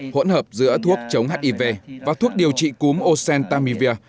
hỗn hợp giữa thuốc chống hiv và thuốc điều trị cúm ocentamivir